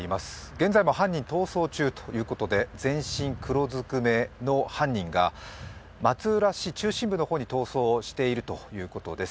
現在も犯人逃走中ということで全身黒ずくめの犯人が松浦市中心部の方に逃走しているということです。